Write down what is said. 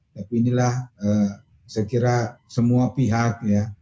tapi inilah saya kira semua pihak ya